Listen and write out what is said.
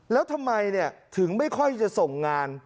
แล้วทำไมถึงไม่ค่อยจะส่งงาน